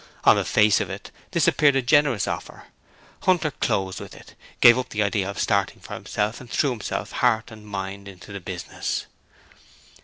On the face of it this appeared a generous offer. Hunter closed with it, gave up the idea of starting for himself, and threw himself heart and mind into the business.